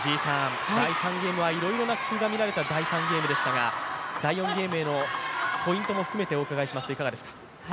いろいろな工夫が見られた第３ゲームでしたが第４ゲームへのポイントも含めてお伺いしますと、いかがですか？